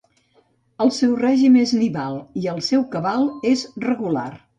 El seu règim és nival i el seu cabal és regular.